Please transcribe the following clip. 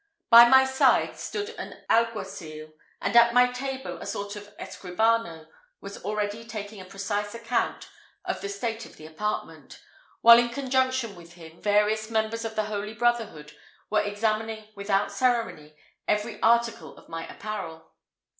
By my side stood an alguacil, and at my table, a sort of escribano was already taking a precise account of the state of the apartment, while in conjunction with him, various members of the Holy Brotherhood were examining without ceremony every article of my apparel.